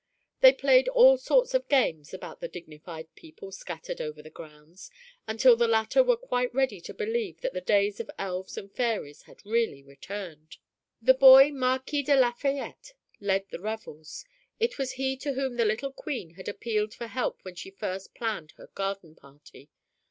They played all sorts of games about the dignified people scattered over the grounds, until the latter were quite ready to believe that the days of elves and fairies had really returned. The boy Marquis de Lafayette led the revels. It was he to whom the little Queen had appealed for help when she first planned her garden party.